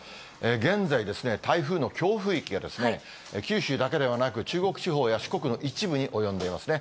現在、台風の強風域が、九州だけではなく、中国地方や四国の一部に及んでいますね。